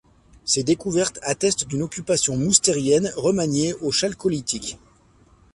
Ces découvertes attestent d’une occupation moustérienne remaniée au Chalcolithique.